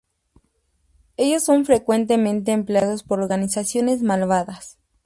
Ellos son frecuentemente empleados por organizaciones malvadas.